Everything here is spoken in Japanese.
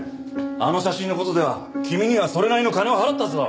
あの写真の事では君にはそれなりの金は払ったはずだ。